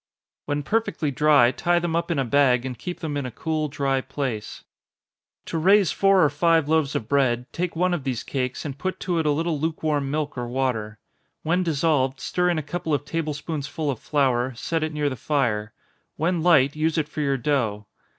When perfectly dry, tie them up in a bag, and keep them in a cool dry place. To raise four or five loaves of bread, take one of these cakes, and put to it a little lukewarm milk or water. When dissolved, stir in a couple of table spoonsful of flour, set it near the fire When light, use it for your dough.